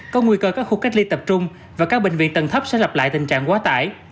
có nguy cơ các khu cách ly tập trung và các bệnh viện tầng thấp sẽ lặp lại tình trạng quá tải